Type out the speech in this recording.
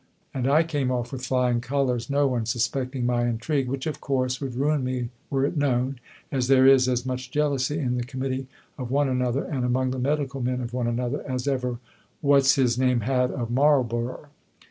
And I came off with flying colours, no one suspecting my intrigue, which of course would ruin me were it known, as there is as much jealousy in the Committee of one another, and among the Medical Men of one another, as ever what's his name had of Marlborough.